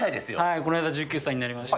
この間１９歳になりました。